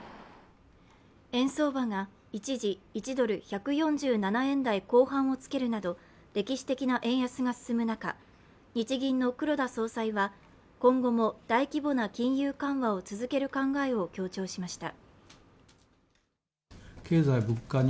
円相場が一時１ドル＝１４７円台後半をつけるなど歴史的な円安が進む中日銀の黒田総裁は、今後も大規模な金融緩和を続ける考えを強調しました。